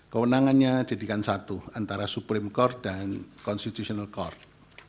kewenangannya jadikan satu antara supreme court dan constitutional court